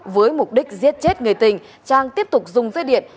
với mục đích giết chết người tình trang tiếp tục dùng dây điện